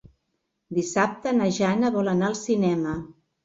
Dissabte na Jana vol anar al cinema.